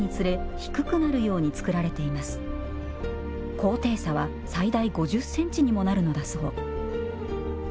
高低差は最大５０センチにもなるのだそう。